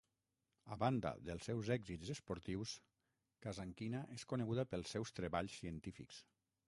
A banda dels seus èxits esportius, Kazankina és coneguda pels seus treballs científics.